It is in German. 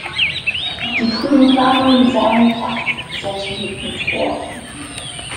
Die frühen Planungen sahen acht Satelliten vor.